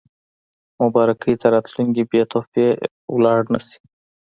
مبارکۍ ته راتلونکي بې تحفې لاړ نه شي.